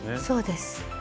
そうです。